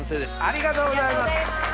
ありがとうございます。